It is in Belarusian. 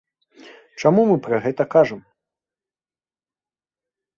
Чаму мы пра гэта кажам?